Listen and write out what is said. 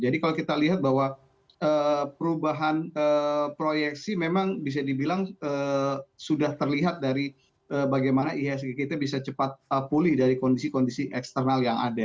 jadi kalau kita lihat bahwa perubahan proyeksi memang bisa dibilang sudah terlihat dari bagaimana ihsg kita bisa cepat pulih dari kondisi makro